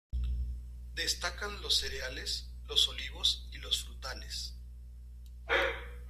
Destacan los cereales, los olivos y los frutales.